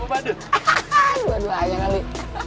hahaha dua duanya kali